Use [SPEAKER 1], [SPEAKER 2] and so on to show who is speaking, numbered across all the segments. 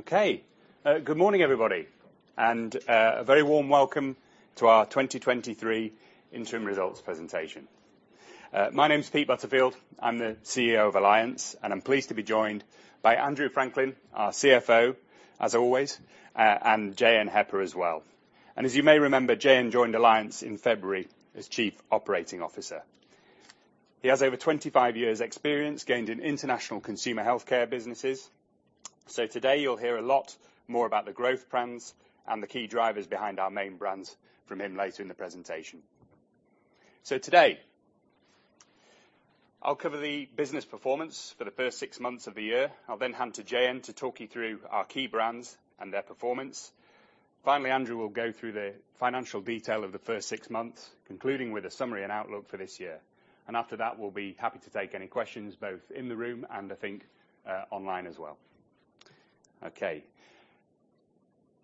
[SPEAKER 1] Okay. Good morning, everybody, and a very warm welcome to our 2023 interim results presentation. My name is Peter Butterfield. I'm the CEO of Alliance, and I'm pleased to be joined by Andrew Franklin, our CFO, as always, and Jeyan Heper as well. And as you may remember, Jeyan joined Alliance in February as Chief Operating Officer. He has over 25 years' experience gained in international consumer healthcare businesses. So today, you'll hear a lot more about the growth plans and the key drivers behind our main brands from him later in the presentation. So today, I'll cover the business performance for the first six months of the year. I'll then hand to Jeyan to talk you through our key brands and their performance. Finally, Andrew will go through the financial detail of the first six months, concluding with a summary and outlook for this year. After that, we'll be happy to take any questions, both in the room and I think, online as well. Okay.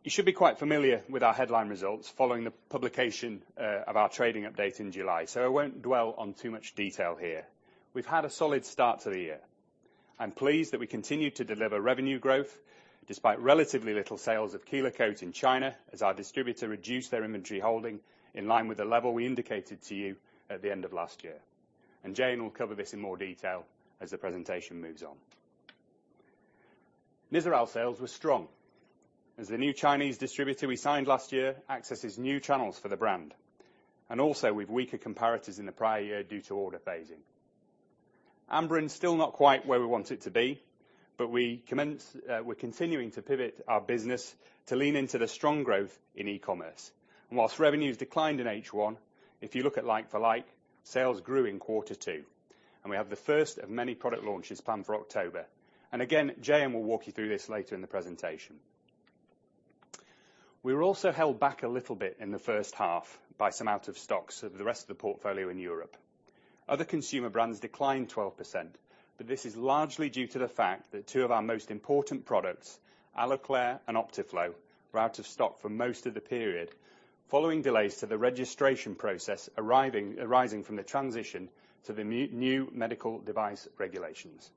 [SPEAKER 1] You should be quite familiar with our headline results following the publication of our trading update in July, so I won't dwell on too much detail here. We've had a solid start to the year. I'm pleased that we continued to deliver revenue growth, despite relatively little sales of Kelo-Cote in China, as our distributor reduced their inventory holding in line with the level we indicated to you at the end of last year. And Jeyan will cover this in more detail as the presentation moves on. Nizoral sales were strong. As the new Chinese distributor we signed last year accesses new channels for the brand, and also with weaker comparators in the prior year due to order phasing. Amberen's still not quite where we want it to be, but we're continuing to pivot our business to lean into the strong growth in e-commerce. While revenues declined in H1, if you look at like-for-like, sales grew in quarter two, and we have the first of many product launches planned for October. And again, Jeyan will walk you through this later in the presentation. We were also held back a little bit in the first half by some out-of-stocks of the rest of the portfolio in Europe. Other consumer brands declined 12%, but this is largely due to the fact that two of our most important products, Aloclair and Optiflo, were out of stock for most of the period, following delays to the registration process, arising from the transition to the new medical device regulations.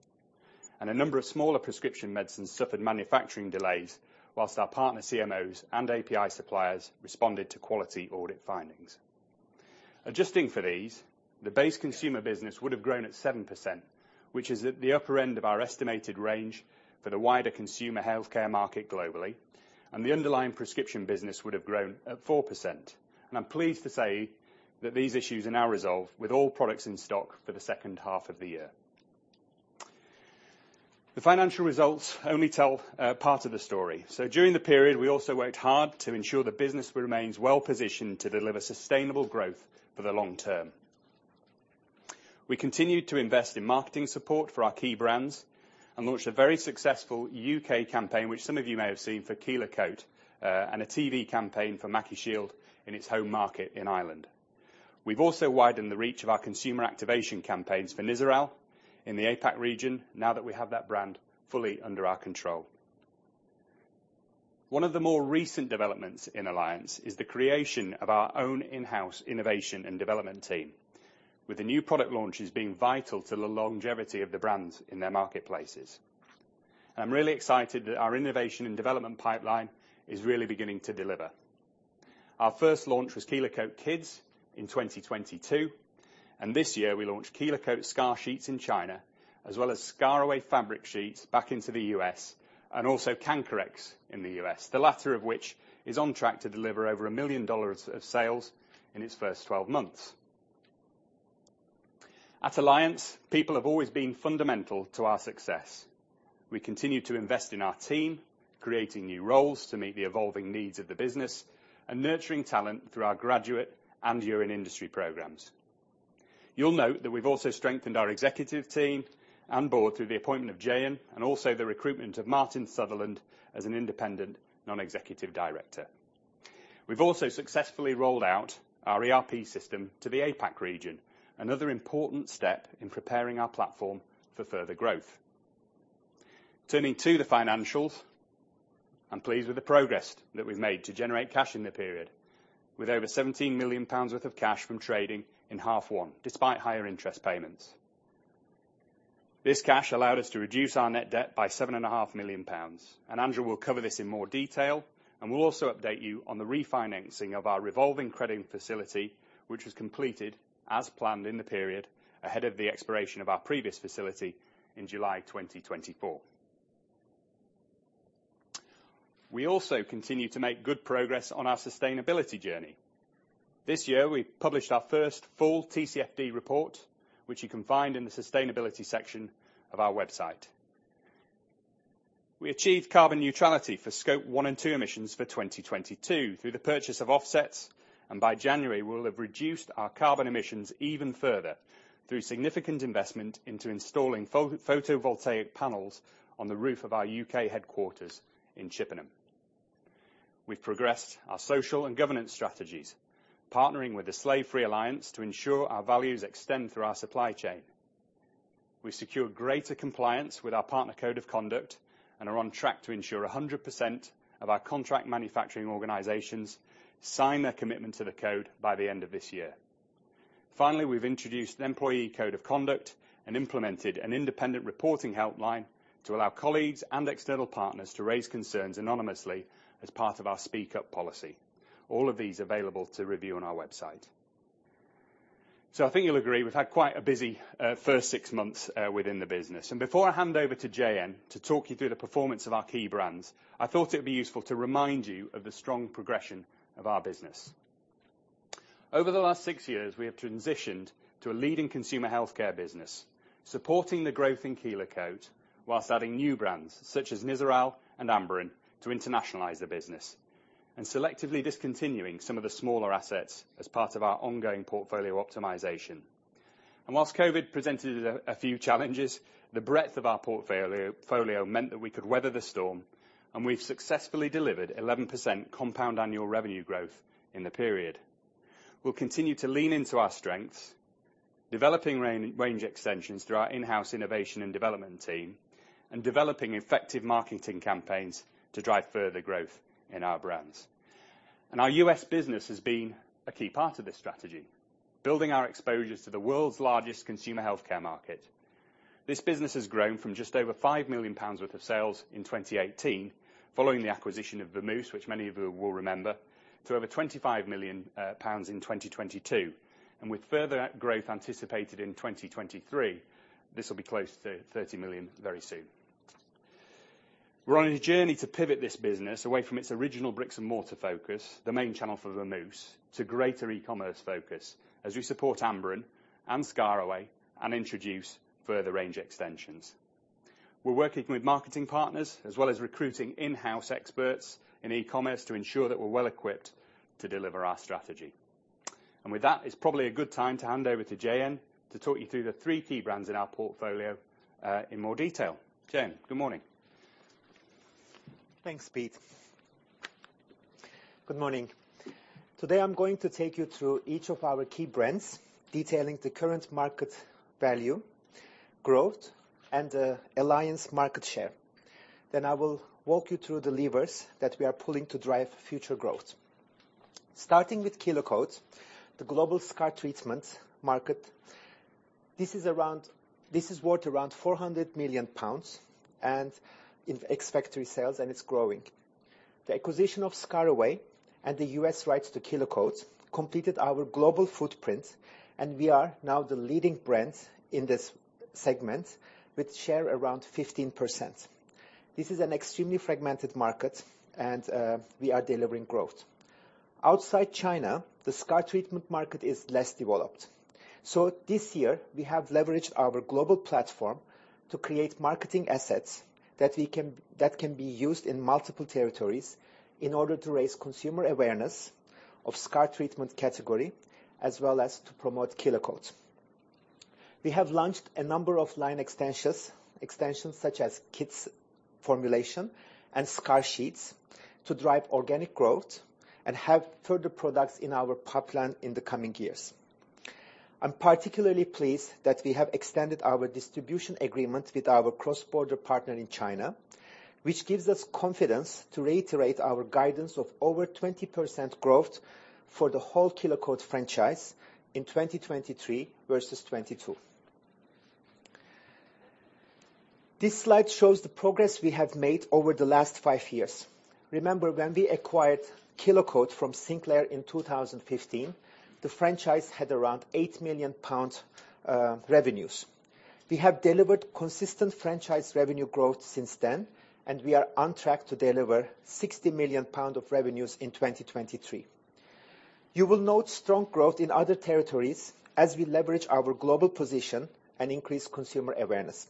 [SPEAKER 1] A number of smaller prescription medicines suffered manufacturing delays, while our partner CMOs and API suppliers responded to quality audit findings. Adjusting for these, the base consumer business would have grown at 7%, which is at the upper end of our estimated range for the wider consumer healthcare market globally, and the underlying prescription business would have grown at 4%. I'm pleased to say that these issues are now resolved, with all products in stock for the second half of the year. The financial results only tell part of the story. During the period, we also worked hard to ensure the business remains well-positioned to deliver sustainable growth for the long term. We continued to invest in marketing support for our key brands and launched a very successful U.K. campaign, which some of you may have seen for Kelo-Cote, and a TV campaign for MacuShield in its home market in Ireland. We've also widened the reach of our consumer activation campaigns for Nizoral in the APAC region, now that we have that brand fully under our control. One of the more recent developments in Alliance is the creation of our own in-house innovation and development team, with the new product launches being vital to the longevity of the brands in their marketplaces. I'm really excited that our innovation and development pipeline is really beginning to deliver. Our first launch was Kelo-Cote Kids in 2022, and this year, we launched Kelo-Cote Scar Sheets in China, as well as ScarAway fabric sheets back into the U.S., and also Canker-X in the U.S., the latter of which is on track to deliver over $1 million of sales in its first 12 months. At Alliance, people have always been fundamental to our success. We continue to invest in our team, creating new roles to meet the evolving needs of the business and nurturing talent through our graduate and year in industry programs. You'll note that we've also strengthened our executive team and board through the appointment of Jeyan, and also the recruitment of Martin Sutherland as an independent non-Executive Director. We've also successfully rolled out our ERP system to the APAC region, another important step in preparing our platform for further growth. Turning to the financials, I'm pleased with the progress that we've made to generate cash in the period, with over 17 million pounds worth of cash from trading in half one, despite higher interest payments. This cash allowed us to reduce our net debt by 7.5 million pounds, and Andrew will cover this in more detail, and we'll also update you on the refinancing of our revolving credit facility, which was completed as planned in the period, ahead of the expiration of our previous facility in July 2024. We also continued to make good progress on our sustainability journey. This year, we published our first full TCFD report, which you can find in the sustainability section of our website. We achieved carbon neutrality for Scope 1 and 2 emissions for 2022 through the purchase of offsets, and by January, we'll have reduced our carbon emissions even further through significant investment into installing photovoltaic panels on the roof of our U.K. headquarters in Chippenham. We've progressed our social and governance strategies, partnering with the Slave-Free Alliance to ensure our values extend through our supply chain. We've secured greater compliance with our partner code of conduct and are on track to ensure 100% of our contract manufacturing organizations sign their commitment to the code by the end of this year. Finally, we've introduced an employee code of conduct and implemented an independent reporting helpline to allow colleagues and external partners to raise concerns anonymously as part of our Speak Up policy. All of these available to review on our website. So I think you'll agree, we've had quite a busy first six months within the business. Before I hand over to Jeyan to talk you through the performance of our key brands, I thought it'd be useful to remind you of the strong progression of our business. Over the last six years, we have transitioned to a leading consumer healthcare business, supporting the growth in Kelo-Cote while adding new brands, such as Nizoral and Amberen, to internationalize the business, and selectively discontinuing some of the smaller assets as part of our ongoing portfolio optimization. While COVID presented a few challenges, the breadth of our portfolio meant that we could weather the storm, and we've successfully delivered 11% compound annual revenue growth in the period. We'll continue to lean into our strengths, developing range extensions through our in-house innovation and development team, and developing effective marketing campaigns to drive further growth in our brands. Our U.S. business has been a key part of this strategy, building our exposures to the world's largest consumer healthcare market. This business has grown from just over 5 million pounds worth of sales in 2018, following the acquisition of Vamousse, which many of you will remember, to over 25 million pounds in 2022. With further growth anticipated in 2023, this will be close to 30 million very soon. We're on a journey to pivot this business away from its original bricks-and-mortar focus, the main channel for Vamousse, to greater e-commerce focus, as we support Amberen and ScarAway, and introduce further range extensions. We're working with marketing partners, as well as recruiting in-house experts in e-commerce to ensure that we're well-equipped to deliver our strategy. With that, it's probably a good time to hand over to Jeyan to talk you through the three key brands in our portfolio, in more detail. Jeyan, good morning.
[SPEAKER 2] Thanks, Pete. Good morning. Today, I'm going to take you through each of our key brands, detailing the current market value, growth, and alliance market share. Then I will walk you through the levers that we are pulling to drive future growth. Starting with Kelo-Cote, the global scar treatment market, this is worth around 400 million pounds in ex-factory sales, and it's growing. The acquisition of ScarAway and the U.S. rights to Kelo-Cote completed our global footprint, and we are now the leading brand in this segment, with share around 15%. This is an extremely fragmented market, and we are delivering growth. Outside China, the Scar treatment market is less developed. So this year, we have leveraged our global platform to create marketing assets that can be used in multiple territories in order to raise consumer awareness of scar treatment category, as well as to promote Kelo-Cote. We have launched a number of line extensions, such as kits, formulation, and scar sheets, to drive organic growth and have further products in our pipeline in the coming years. I'm particularly pleased that we have extended our distribution agreement with our cross-border partner in China, which gives us confidence to reiterate our guidance of over 20% growth for the whole Kelo-Cote franchise in 2023 vs 2022. This slide shows the progress we have made over the last five years. Remember, when we acquired Kelo-Cote from Sinclair in 2015, the franchise had around 8 million pounds revenues. We have delivered consistent franchise revenue growth since then, and we are on track to deliver 60 million pounds of revenues in 2023. You will note strong growth in other territories as we leverage our global position and increase consumer awareness.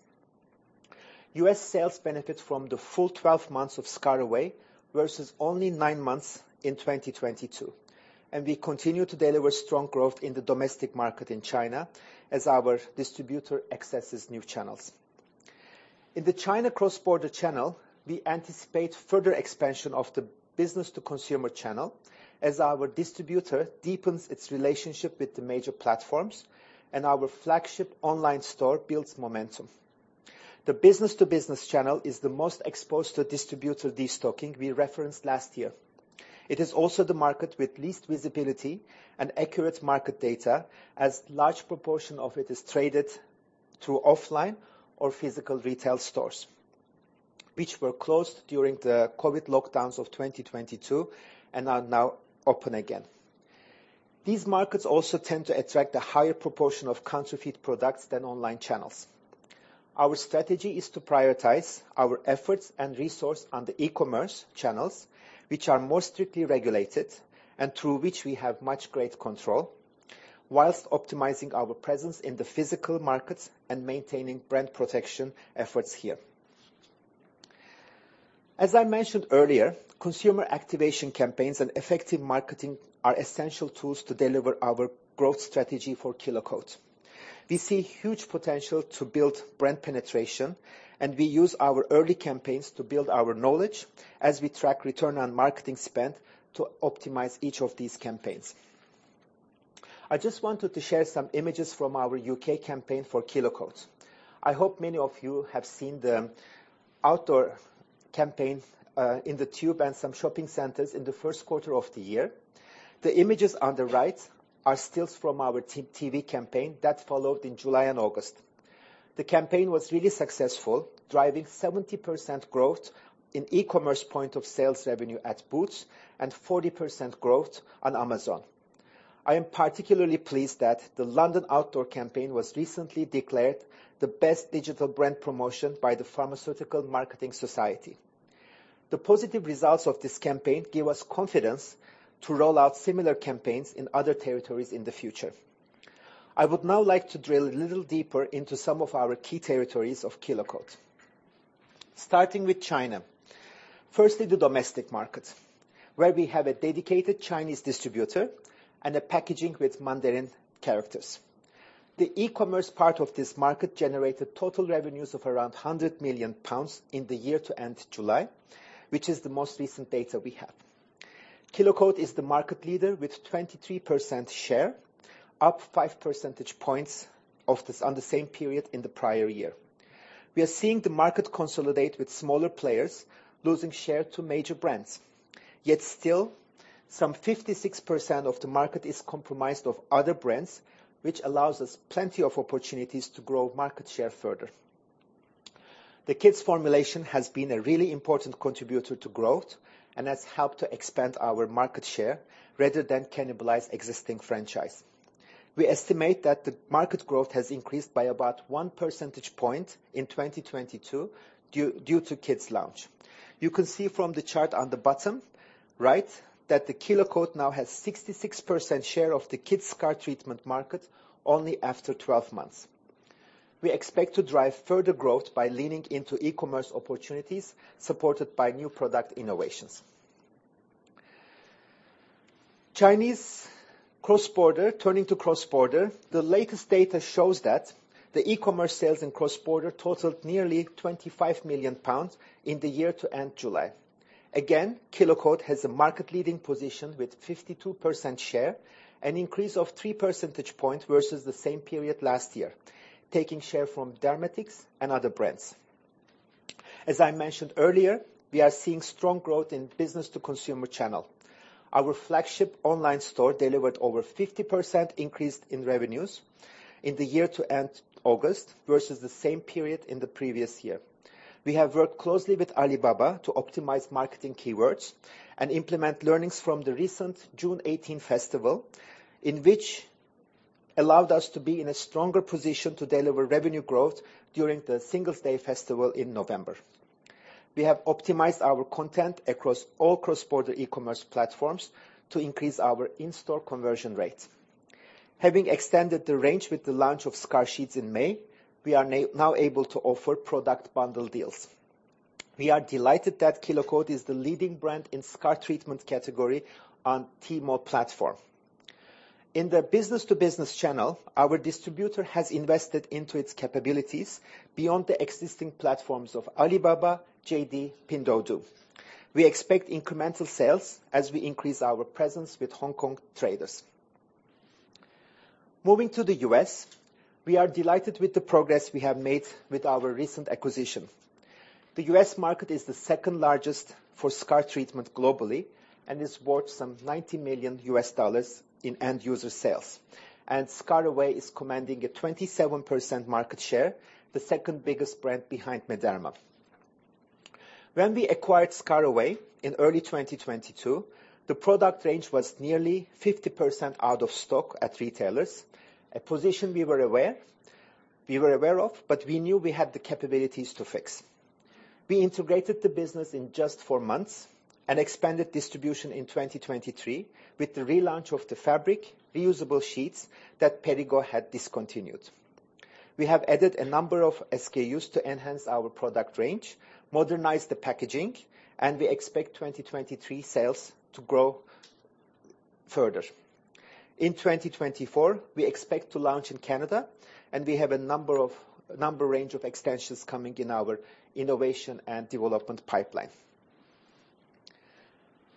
[SPEAKER 2] U.S. sales benefit from the full 12 months of ScarAway vs only nine months in 2022, and we continue to deliver strong growth in the domestic market in China as our distributor accesses new channels. In the China cross-border channel, we anticipate further expansion of the business-to-consumer channel as our distributor deepens its relationship with the major platforms and our flagship online store builds momentum. The business-to-business channel is the most exposed to distributor destocking we referenced last year. It is also the market with least visibility and accurate market data, as large proportion of it is traded through offline or physical retail stores, which were closed during the COVID lockdowns of 2022 and are now open again. These markets also tend to attract a higher proportion of counterfeit products than online channels. Our strategy is to prioritize our efforts and resource on the e-commerce channels, which are more strictly regulated and through which we have much greater control, whilst optimizing our presence in the physical markets and maintaining brand protection efforts here. As I mentioned earlier, consumer activation campaigns and effective marketing are essential tools to deliver our growth strategy for Kelo-Cote. We see huge potential to build brand penetration, and we use our early campaigns to build our knowledge as we track return on marketing spend to optimize each of these campaigns. I just wanted to share some images from our U.K. campaign for Kelo-Cote. I hope many of you have seen the outdoor campaign in the tube and some shopping centers in the first quarter of the year. The images on the right are stills from our TV campaign that followed in July and August. The campaign was really successful, driving 70% growth in e-commerce point of sales revenue at Boots and 40% growth on Amazon. I am particularly pleased that the London outdoor campaign was recently declared the best digital brand promotion by the Pharmaceutical Marketing Society. The positive results of this campaign give us confidence to roll out similar campaigns in other territories in the future. I would now like to drill a little deeper into some of our key territories of Kelo-Cote. Starting with China. Firstly, the domestic market, where we have a dedicated Chinese distributor and a packaging with Mandarin characters. The e-commerce part of this market generated total revenues of around 100 million pounds in the year to end July, which is the most recent data we have. Kelo-Cote is the market leader with 23% share, up five percentage points of this on the same period in the prior year. We are seeing the market consolidate, with smaller players losing share to major brands. Yet still, some 56% of the market is compromised of other brands, which allows us plenty of opportunities to grow market share further. The kids' formulation has been a really important contributor to growth and has helped to expand our market share rather than cannibalize existing franchise. We estimate that the market growth has increased by about 1 percentage point in 2022 due to kids' launch. You can see from the chart on the bottom right that the Kelo-Cote now has 66% share of the kids' scar treatment market only after 12 months. We expect to drive further growth by leaning into e-commerce opportunities, supported by new product innovations. Chinese cross-border. Turning to cross-border, the latest data shows that the e-commerce sales in cross-border totaled nearly 25 million pounds in the year to end July. Again, Kelo-Cote has a market-leading position with 52% share, an increase of 3 percentage points vs the same period last year, taking share from Dermatix and other brands. As I mentioned earlier, we are seeing strong growth in business-to-consumer channel. Our flagship online store delivered over 50% increase in revenues in the year to end August, vs the same period in the previous year. We have worked closely with Alibaba to optimize marketing keywords and implement learnings from the recent June 18 festival, in which allowed us to be in a stronger position to deliver revenue growth during the Singles' Day festival in November. We have optimized our content across all cross-border e-commerce platforms to increase our in-store conversion rate. Having extended the range with the launch of scar sheets in May, we are now able to offer product bundle deals. We are delighted that Kelo-Cote is the leading brand in scar treatment category on Tmall platform. In the business-to-business channel, our distributor has invested into its capabilities beyond the existing platforms of Alibaba, JD, Pinduoduo. We expect incremental sales as we increase our presence with Hong Kong traders. Moving to the U.S., we are delighted with the progress we have made with our recent acquisition. The U.S. market is the second largest for scar treatment globally and is worth some $90 million in end-user sales. ScarAway is commanding a 27% market share, the second biggest brand behind Mederma. When we acquired ScarAway in early 2022, the product range was nearly 50% out of stock at retailers, a position we were aware of, but we knew we had the capabilities to fix. We integrated the business in just 4 months and expanded distribution in 2023 with the relaunch of the fabric reusable sheets that Perrigo had discontinued. We have added a number of SKUs to enhance our product range, modernized the packaging, and we expect 2023 sales to grow further. In 2024, we expect to launch in Canada, and we have a number range of extensions coming in our innovation and development pipeline.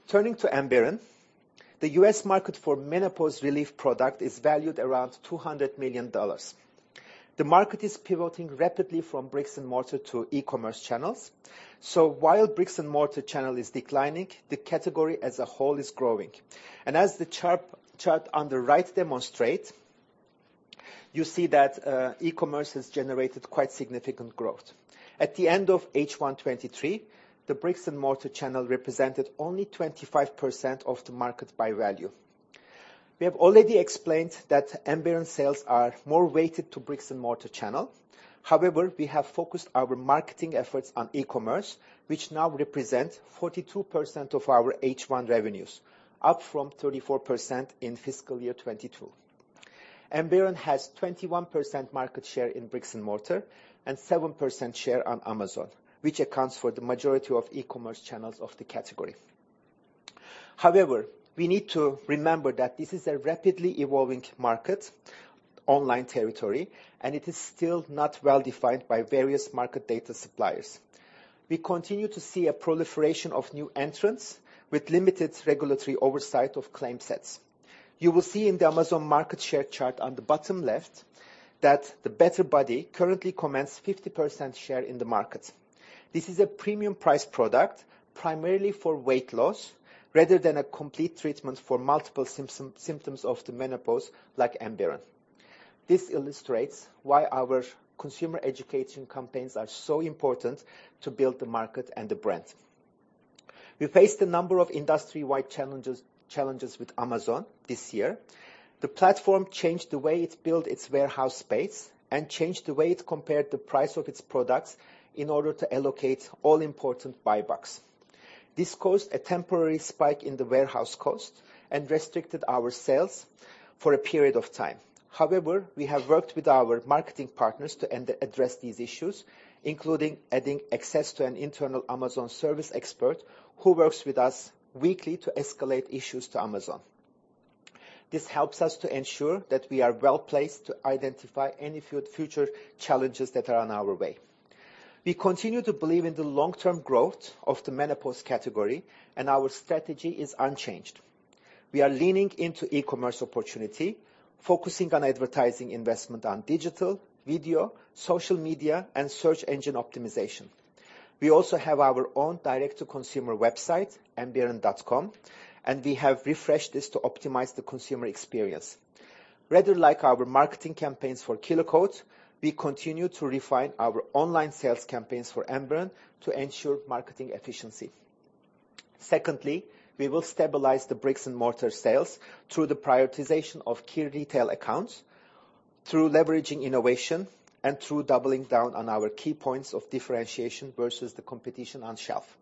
[SPEAKER 2] Turning to Amberen, the U.S. market for menopause relief product is valued around $200 million. The market is pivoting rapidly from bricks and mortar to e-commerce channels. So while bricks and mortar channel is declining, the category as a whole is growing. And as the chart on the right demonstrate, you see that, e-commerce has generated quite significant growth. At the end of H1 2023, the bricks and mortar channel represented only 25% of the market by value. We have already explained that Amberen sales are more weighted to bricks and mortar channel. However, we have focused our marketing efforts on e-commerce, which now represent 42% of our H1 revenues, up from 34% in fiscal year 2022. Amberen has 21% market share in bricks and mortar, and 7% share on Amazon, which accounts for the majority of e-commerce channels of the category. However, we need to remember that this is a rapidly evolving market, online territory, and it is still not well-defined by various market data suppliers. We continue to see a proliferation of new entrants with limited regulatory oversight of claim sets. You will see in the Amazon market share chart on the bottom left, that the Better Body currently commands 50% share in the market. This is a premium price product, primarily for weight loss, rather than a complete treatment for multiple symptom, symptoms of the menopause, like Amberen. This illustrates why our consumer education campaigns are so important to build the market and the brand. We faced a number of industry-wide challenges, challenges with Amazon this year. The platform changed the way it built its warehouse space, and changed the way it compared the price of its products in order to allocate all-important Buy Box. This caused a temporary spike in the warehouse cost and restricted our sales for a period of time. However, we have worked with our marketing partners to address these issues, including adding access to an internal Amazon service expert, who works with us weekly to escalate issues to Amazon. This helps us to ensure that we are well-placed to identify any future challenges that are on our way. We continue to believe in the long-term growth of the menopause category, and our strategy is unchanged. We are leaning into e-commerce opportunity, focusing on advertising investment on digital, video, social media, and search engine optimization. We also have our own direct-to-consumer website, amberen.com, and we have refreshed this to optimize the consumer experience. Rather like our marketing campaigns for Kelo-Cote, we continue to refine our online sales campaigns for Amberen to ensure marketing efficiency. Secondly, we will stabilize the bricks and mortar sales through the prioritization of key retail accounts, through leveraging innovation, and through doubling down on our key points of differentiation vs the competition on shelf.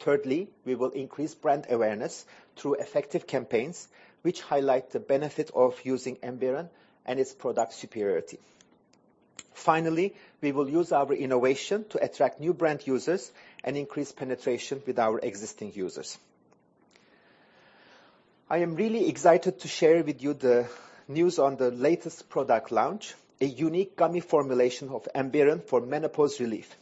[SPEAKER 2] Thirdly, we will increase brand awareness through effective campaigns, which highlight the benefit of using Amberen and its product superiority. Finally, we will use our innovation to attract new brand users and increase penetration with our existing users. I am really excited to share with you the news on the latest product launch, a unique gummy formulation of Amberen for menopause relief.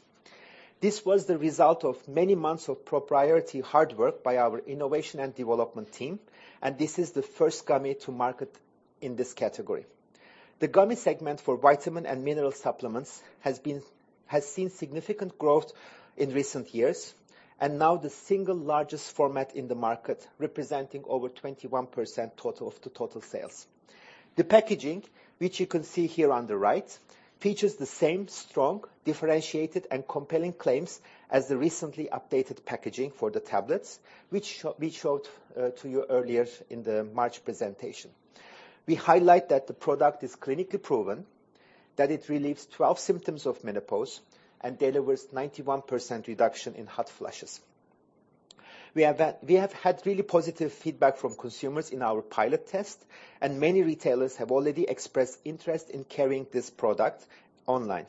[SPEAKER 2] This was the result of many months of proprietary hard work by our innovation and development team, and this is the first gummy to market in this category. The gummy segment for vitamin and mineral supplements has seen significant growth in recent years, and now the single largest format in the market, representing over 21% total of the total sales. The packaging, which you can see here on the right, features the same strong, differentiated, and compelling claims as the recently updated packaging for the tablets, which we showed to you earlier in the March presentation. We highlight that the product is clinically proven, that it relieves 12 symptoms of menopause, and delivers 91% reduction in hot flushes. We have had really positive feedback from consumers in our pilot test, and many retailers have already expressed interest in carrying this product online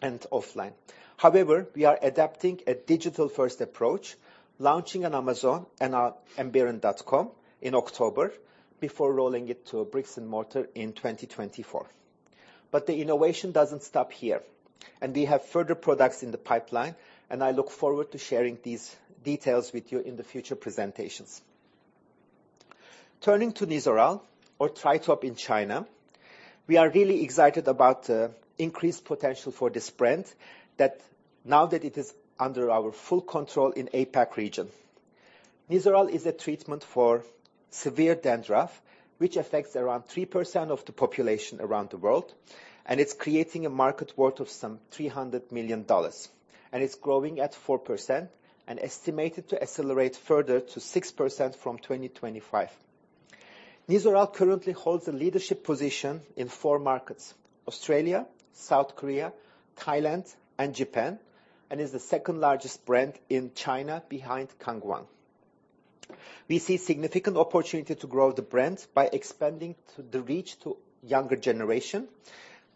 [SPEAKER 2] and offline. However, we are adapting a digital-first approach, launching on Amazon and on amberen.com in October, before rolling it to bricks and mortar in 2024. But the innovation doesn't stop here, and we have further products in the pipeline, and I look forward to sharing these details with you in the future presentations. Turning to Nizoral or Triatop in China, we are really excited about the increased potential for this brand, now that it is under our full control in APAC region. Nizoral is a treatment for severe dandruff, which affects around 3% of the population around the world, and it's creating a market worth of some $300 million, and it's growing at 4% and estimated to accelerate further to 6% from 2025. Nizoral currently holds a leadership position in four markets: Australia, South Korea, Thailand, and Japan, and is the second-largest brand in China behind Kang Wang. We see significant opportunity to grow the brand by expanding to the reach to younger generation,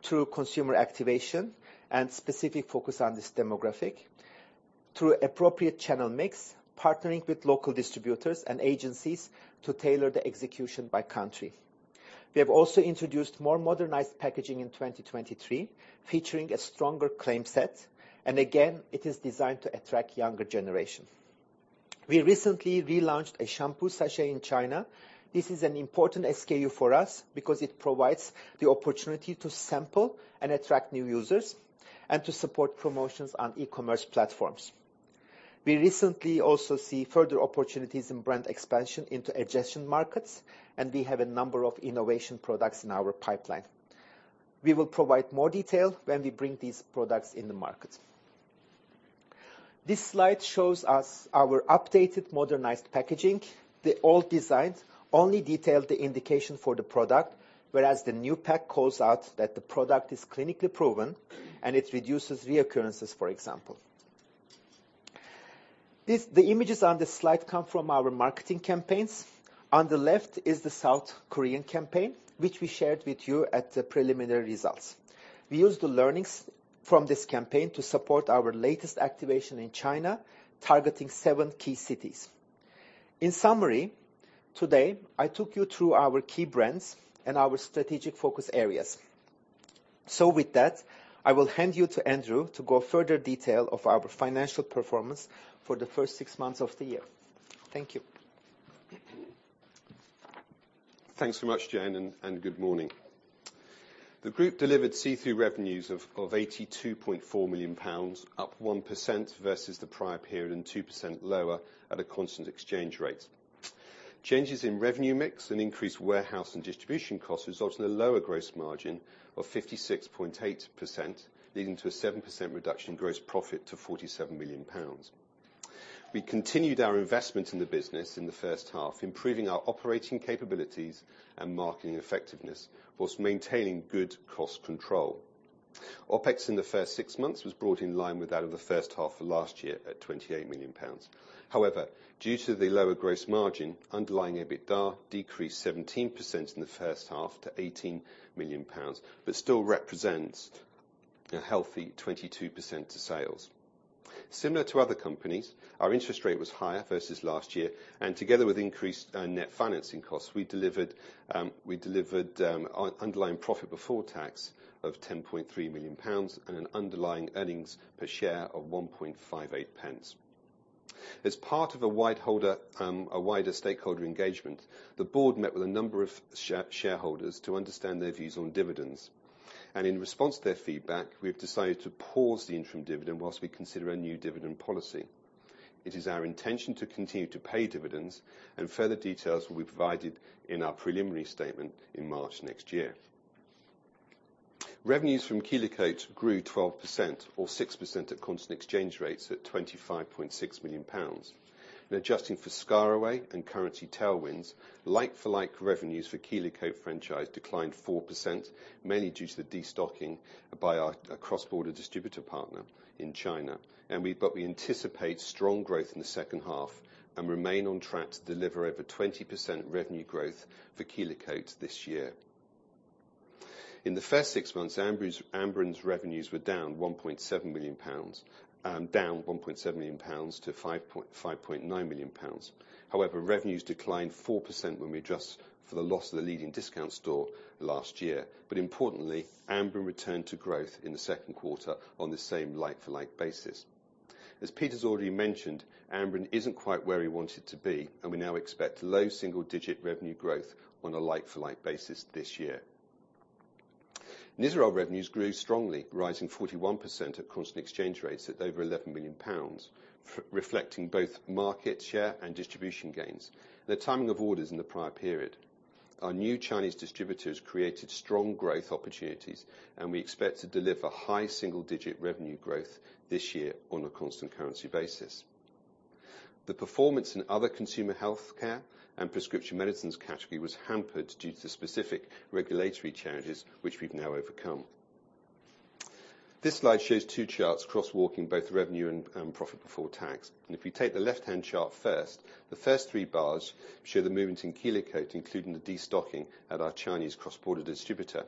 [SPEAKER 2] through consumer activation and specific focus on this demographic, through appropriate channel mix, partnering with local distributors and agencies to tailor the execution by country. We have also introduced more modernized packaging in 2023, featuring a stronger claim set, and again, it is designed to attract younger generation. We recently relaunched a shampoo sachet in China. This is an important SKU for us because it provides the opportunity to sample and attract new users, and to support promotions on e-commerce platforms. We recently also see further opportunities in brand expansion into adjacent markets, and we have a number of innovation products in our pipeline. We will provide more detail when we bring these products in the market. This slide shows us our updated, modernized packaging. The old design only detailed the indication for the product, whereas the new pack calls out that the product is clinically proven and it reduces reoccurrences, for example. This. The images on this slide come from our marketing campaigns. On the left is the South Korean campaign, which we shared with you at the preliminary results. We use the learnings from this campaign to support our latest activation in China, targeting seven key cities. In summary, today, I took you through our key brands and our strategic focus areas. So with that, I will hand you to Andrew to go further detail of our financial performance for the first six months of the year. Thank you.
[SPEAKER 3] Thanks so much, Jeyan, and good morning. The group delivered H1 revenues of 82.4 million pounds, up 1% vs the prior period, and 2% lower at a constant exchange rate. Changes in revenue mix and increased warehouse and distribution costs resulted in a lower gross margin of 56.8%, leading to a 7% reduction in gross profit to 47 million pounds. We continued our investment in the business in the first half, improving our operating capabilities and marketing effectiveness, while maintaining good cost control. OpEx in the first six months was brought in line with that of the first half of last year at 28 million pounds. However, due to the lower gross margin, underlying EBITDA decreased 17% in the first half to 18 million pounds, but still represents a healthy 22% to sales. Similar to other companies, our interest rate was higher vs last year, and together with increased net financing costs, we delivered our underlying profit before tax of 10.3 million pounds and an underlying earnings per share of 1.58. As part of a wider stakeholder engagement, the board met with a number of shareholders to understand their views on dividends, and in response to their feedback, we've decided to pause the interim dividend while we consider a new dividend policy. It is our intention to continue to pay dividends, and further details will be provided in our preliminary statement in March next year. Revenues from Kelo-Cote grew 12%, or 6% at constant exchange rates, at 25.6 million pounds. Adjusting for ScarAway and currency tailwinds, like-for-like revenues for Kelo-Cote franchise declined 4%, mainly due to the destocking by our cross-border distributor partner in China. But we anticipate strong growth in the second half and remain on track to deliver over 20% revenue growth for Kelo-Cote this year. In the first six months, Amberen's revenues were down GBP 1.7 million, down 1.7 million pounds to 5.9 million pounds. However, revenues declined 4% when we adjust for the loss of the leading discount store last year. But importantly, Amberen returned to growth in the second quarter on the same like-for-like basis. As Peter's already mentioned, Amberen isn't quite where we want it to be, and we now expect low single-digit revenue growth on a like-for-like basis this year. Nizoral revenues grew strongly, rising 41% at constant exchange rates to over 11 million pounds, reflecting both market share and distribution gains, the timing of orders in the prior period. Our new Chinese distributors created strong growth opportunities, and we expect to deliver high single-digit revenue growth this year on a constant currency basis. The performance in other consumer healthcare and prescription medicines category was hampered due to specific regulatory challenges, which we've now overcome. This slide shows two charts crosswalking both revenue and profit before tax. If you take the left-hand chart first, the first three bars show the movement in Kelo-Cote, including the destocking at our Chinese cross-border distributor.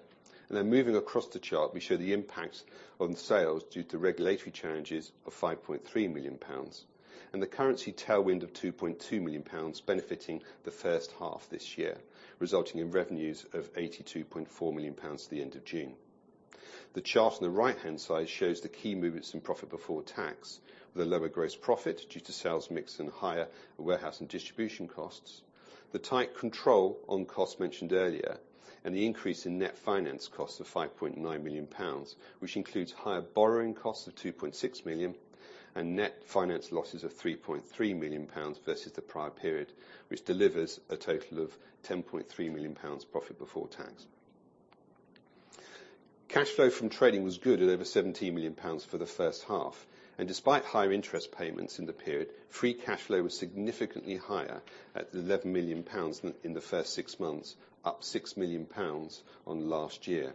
[SPEAKER 3] Then moving across the chart, we show the impact on sales due to regulatory challenges of 5.3 million pounds, and the currency tailwind of 2.2 million pounds benefiting the first half this year, resulting in revenues of 82.4 million pounds at the end of June. The chart on the right-hand side shows the key movements in profit before tax, with a lower gross profit due to sales mix and higher warehouse and distribution costs, the tight control on costs mentioned earlier, and the increase in net finance costs of 5.9 million pounds, which includes higher borrowing costs of 2.6 million, and net finance losses of 3.3 million pounds vs the prior period, which delivers a total of 10.3 million pounds profit before tax. Cash flow from trading was good at over 17 million pounds for the first half, and despite higher interest payments in the period, free cash flow was significantly higher at 11 million pounds in the first six months, up 6 million pounds on last year.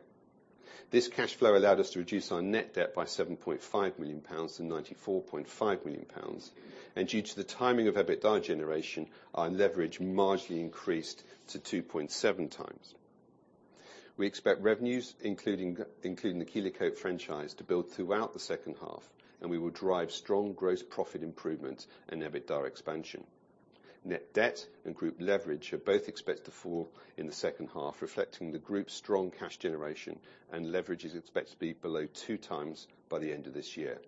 [SPEAKER 3] This cash flow allowed us to reduce our net debt by 7.5 million-94.5 million pounds, and due to the timing of EBITDA generation, our leverage marginally increased to 2.7x. We expect revenues, including the Kelo-Cote franchise, to build throughout the second half, and we will drive strong gross profit improvement and EBITDA expansion. Net debt and group leverage are both expected to fall in the second half, reflecting the group's strong cash generation, and leverage is expected to be below 2x by the end of this year.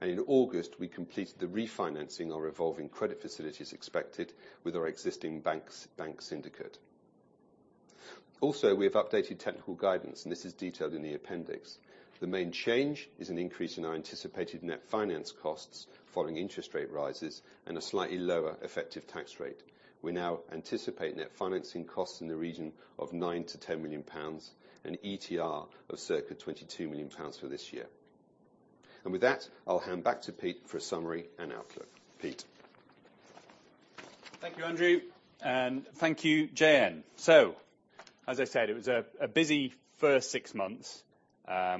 [SPEAKER 3] In August, we completed the refinancing our revolving credit facilities expected with our existing banks, bank syndicate. Also, we have updated technical guidance, and this is detailed in the appendix. The main change is an increase in our anticipated net finance costs following interest rate rises and a slightly lower effective tax rate. We now anticipate net financing costs in the region of 9 million-10 million pounds and ETR of circa 22 million pounds for this year. With that, I'll hand back to Pete for a summary and outlook. Pete?
[SPEAKER 1] Thank you, Andrew, and thank you, Jeyan. So, as I said, it was a busy first six months,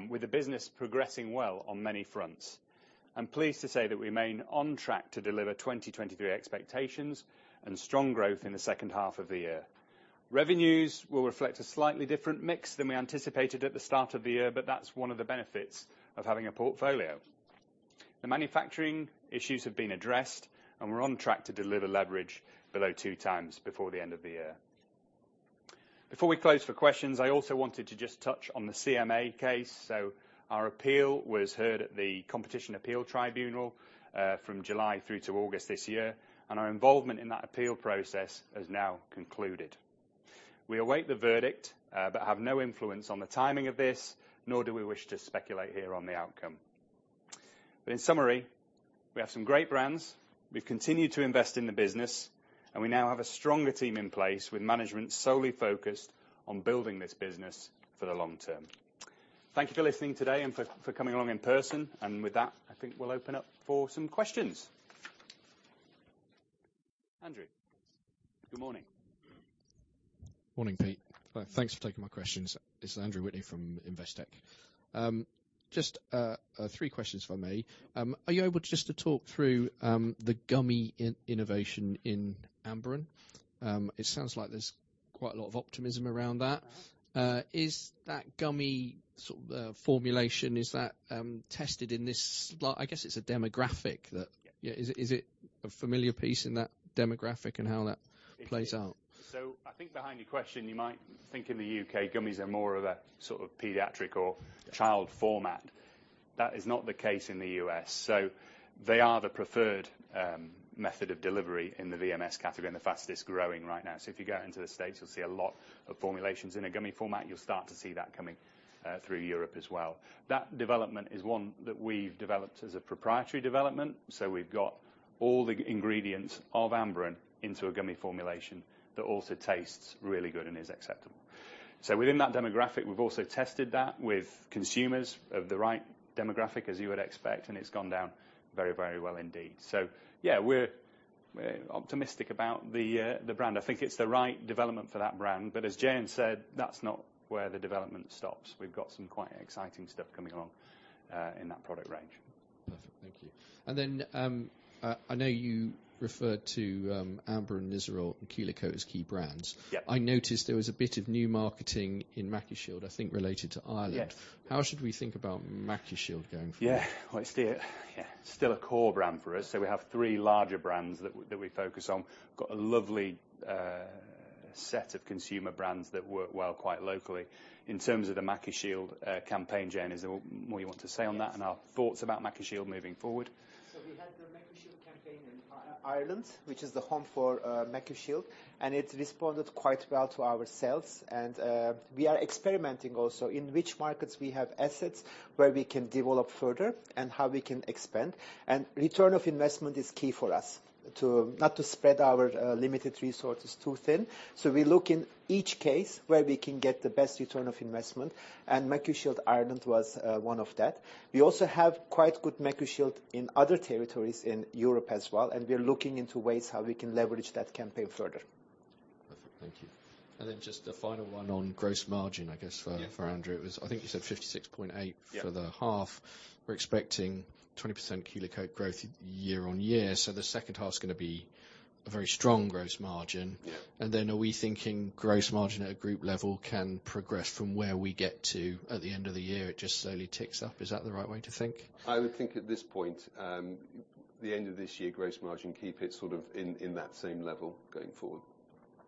[SPEAKER 1] with the business progressing well on many fronts. I'm pleased to say that we remain on track to deliver 2023 expectations and strong growth in the second half of the year. Revenues will reflect a slightly different mix than we anticipated at the start of the year, but that's one of the benefits of having a portfolio. The manufacturing issues have been addressed, and we're on track to deliver leverage below 2x before the end of the year. Before we close for questions, I also wanted to just touch on the CMA case. So our appeal was heard at the Competition Appeal Tribunal from July through to August this year, and our involvement in that appeal process has now concluded. We await the verdict, but have no influence on the timing of this, nor do we wish to speculate here on the outcome. But in summary, we have some great brands. We've continued to invest in the business, and we now have a stronger team in place, with management solely focused on building this business for the long term. Thank you for listening today and for coming along in person, and with that, I think we'll open up for some questions. Andrew, good morning.
[SPEAKER 4] Morning, Pete. Thanks for taking my questions. It's Andrew Whitney from Investec. Just three questions from me. Are you able just to talk through the gummy innovation in Amberen? It sounds like there's quite a lot of optimism around that. Is that gummy sort of formulation tested in this, well, I guess it's a demographic that.
[SPEAKER 1] Yeah.
[SPEAKER 4] Is it a familiar piece in that demographic and how that plays out?
[SPEAKER 1] So I think behind your question, you might think in the U.K., gummies are more of a sort of pediatric or child format. That is not the case in the U.S. So they are the preferred, method of delivery in the VMS category and the fastest growing right now. So if you go out into the States, you'll see a lot of formulations in a gummy format. You'll start to see that coming, through Europe as well. That development is one that we've developed as a proprietary development. So we've got all the ingredients of Amberen into a gummy formulation that also tastes really good and is acceptable. So within that demographic, we've also tested that with consumers of the right demographic, as you would expect, and it's gone down very, very well indeed. So yeah, we're optimistic about the brand. I think it's the right development for that brand, but as Jeyan said, that's not where the development stops. We've got some quite exciting stuff coming along, in that product range.
[SPEAKER 4] Perfect. Thank you. And then, I know you referred to Amberen, Nizoral, and Kelo-Cote as key brands.
[SPEAKER 1] Yep.
[SPEAKER 4] I noticed there was a bit of new marketing in MacuShield, I think, related to Ireland.
[SPEAKER 1] Yes.
[SPEAKER 4] How should we think about MacuShield going forward?
[SPEAKER 1] Yeah. Well, it's still, yeah, still a core brand for us. So we have three larger brands that we focus on. Got a lovely set of consumer brands that work well quite locally. In terms of the MacuShield campaign, Jeyan, is there more you want to say on that? And our thoughts about MacuShield moving forward?
[SPEAKER 2] So we had the MacuShield campaign in Ireland, which is the home for MacuShield, and it responded quite well to our sales. We are experimenting also in which markets we have assets, where we can develop further and how we can expand. Return of investment is key for us to not spread our limited resources too thin. So we look in each case where we can get the best return of investment, and MacuShield Ireland was one of that. We also have quite good MacuShield in other territories in Europe as well, and we are looking into ways how we can leverage that campaign further.
[SPEAKER 4] Perfect. Thank you. And then just a final one on gross margin, I guess, for.
[SPEAKER 1] Yeah.
[SPEAKER 4] For Andrew. It was, I think you said 56.8.
[SPEAKER 1] Yeah.
[SPEAKER 4] For the half. We're expecting 20% Kelo-Cote growth year-on-year, so the second half's gonna be a very strong gross margin.
[SPEAKER 1] Yeah.
[SPEAKER 4] And then are we thinking gross margin at a group level can progress from where we get to at the end of the year, it just slowly ticks up? Is that the right way to think?
[SPEAKER 1] I would think at this point, the end of this year, gross margin, keep it sort of in that same level going forward.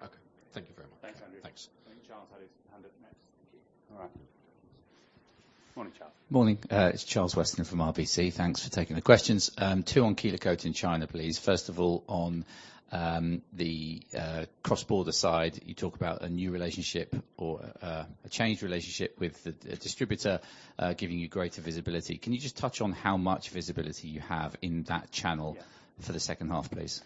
[SPEAKER 4] Okay. Thank you very much.
[SPEAKER 1] Thanks, Andrew.
[SPEAKER 4] Thanks.
[SPEAKER 1] I think Charles had his hand up next. Thank you. All right. Morning, Charles.
[SPEAKER 5] Morning, it's Charles Weston from RBC. Thanks for taking the questions. Two on Kelo-Cote in China, please. First of all, on the cross-border side, you talk about a new relationship or a changed relationship with a distributor giving you greater visibility. Can you just touch on how much visibility you have in that channel? For the second half, please?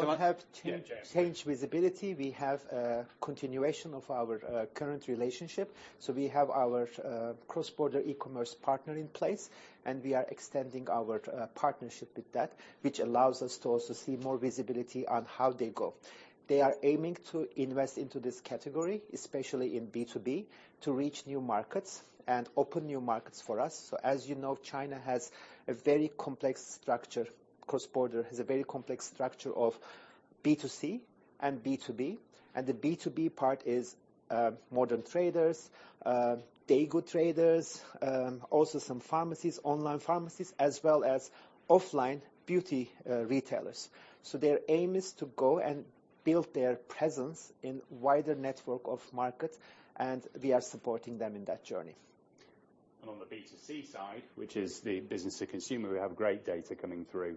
[SPEAKER 2] So we have.
[SPEAKER 1] Yeah, Jeyan.
[SPEAKER 2] Changed visibility. We have a continuation of our current relationship. So we have our cross-border e-commerce partner in place, and we are extending our partnership with that, which allows us to also see more visibility on how they go. They are aiming to invest into this category, especially in B2B, to reach new markets and open new markets for us. So as you know, China has a very complex structure, cross-border, has a very complex structure of B2C and B2B, and the B2B part is modern traders, Daigou traders, also some pharmacies, online pharmacies, as well as offline beauty retailers. So their aim is to go and build their presence in wider network of markets, and we are supporting them in that journey.
[SPEAKER 1] On the B2C side, which is the business-to-consumer, we have great data coming through